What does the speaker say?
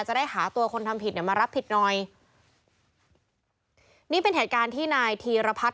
จะได้หาตัวคนทำผิดเนี่ยมารับผิดหน่อยนี่เป็นเหตุการณ์ที่นายธีรพัฒน์